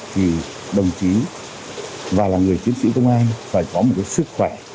thì đồng chí và là người chiến sĩ công an phải có một sức khỏe